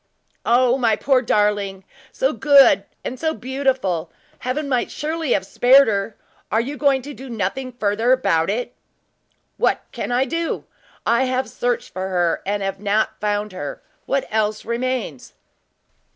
"O, my poor darling! so good and so beautiful. Heaven might surely have spared her! Are you going to do nothing farther about it?" "What can I do? I have searched for her and have not found her, and what else remains?"